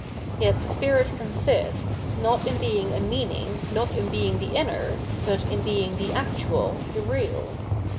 Yet spirit consists, not in being a mean ing, not in being the inner, but in being the actual, the real.